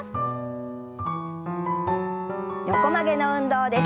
横曲げの運動です。